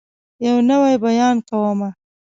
يو نوی بيان کومه